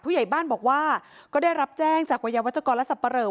ผู้ใหญ่บ้านบอกว่าก็ได้รับแจ้งจากวัยวัชกรและสับปะเหลอ